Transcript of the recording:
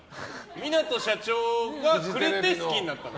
港社長がくれて好きになったの。